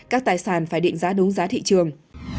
các tài sản phải định giá đúng giá thị trường